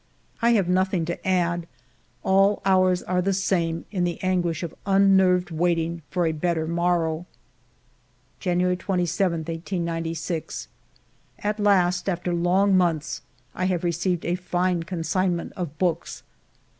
I have nothing to add ; all hours are the same, in the anguish of unnerved waiting for a better morrow. January 27, 1896. At last, after long months, I have received a fine consignment of books.